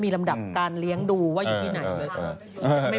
ลำดับการเลี้ยงดูว่าอยู่ที่ไหน